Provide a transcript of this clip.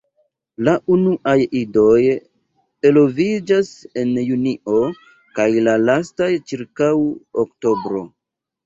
La unuaj idoj eloviĝas en Junio kaj la lastaj ĉirkaŭ Oktobro.